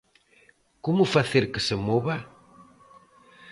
Como facer que se mova?